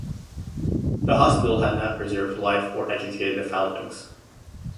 The hospital had not preserved life or educated the foundlings.